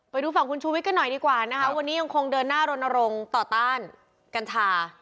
ไปดูฝั่งคุณชูวิทย์กันหน่อยดีกว่านะคะวันนี้ยังคงเดินหน้ารณรงค์ต่อต้านกัญชา